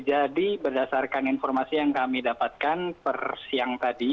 jadi berdasarkan informasi yang kami dapatkan persiang tadi